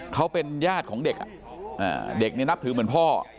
เขาเป็นญาติของเด็กเด็กนี่นับถือเหมือนพ่อ